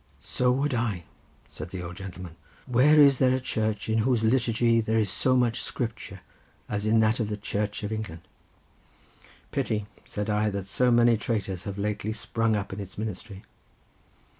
"So would I," said the old gentleman; "where is there a church in whose liturgy there is so much Scripture as in that of the Church of England?" "Pity," said I, "that so many traitors have lately sprung up in its ministry."